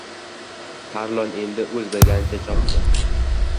Tarlon endi o‘z bilganicha chopdi.